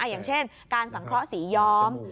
อย่างเช่นการสังเคราะห์สีย้อม